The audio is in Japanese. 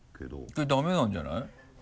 これダメなんじゃない？